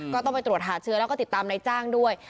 ก็ต้องไปตรวจหาเชื้อแล้วก็ติดตามในจ้างด้วย